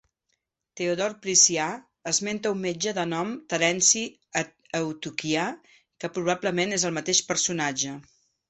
Teodor Priscià esmenta un metge de nom Terenci Eutiquià que probablement és el mateix personatge.